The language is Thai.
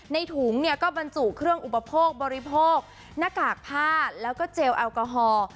ถุงเนี่ยก็บรรจุเครื่องอุปโภคบริโภคหน้ากากผ้าแล้วก็เจลแอลกอฮอล์